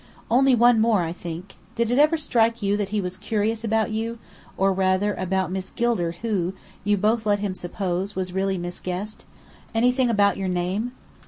"Only one more, I think. Did it ever strike you that he was curious about you or rather, about Miss Gilder who, you both let him suppose, was really Miss Guest? Anything about your name?"